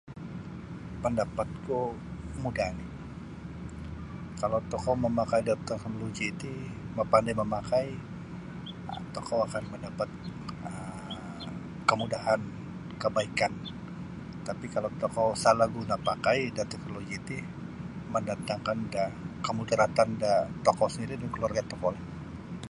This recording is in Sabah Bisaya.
Pandapat ku mudah oni kalau tokou mamakai da teknologi ti mapandai mamakai tokou akan mendapat um kemudahan kebaikan tapi kalau tokou salah guna pakai da teknologi ti mendatangkan da kamudaratan da tokou sendiri dan keluarga tokou lah.